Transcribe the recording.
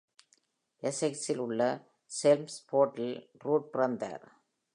எசெக்ஸில் உள்ள செல்ம்ஸ்ஃபோர்டில் ரூட் பிறந்தார்.